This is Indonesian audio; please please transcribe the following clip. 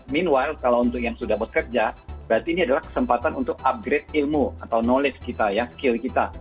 mean white kalau untuk yang sudah bekerja berarti ini adalah kesempatan untuk upgrade ilmu atau knowledge kita ya skill kita